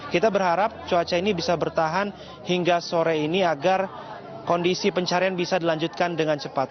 kita berharap cuaca ini bisa bertahan hingga sore ini agar kondisi pencarian bisa dilanjutkan dengan cepat